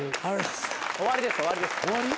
終わりです終わりです。